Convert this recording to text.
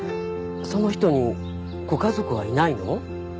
その人にご家族はいないの？